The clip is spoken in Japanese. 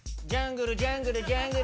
ジャングルジャングル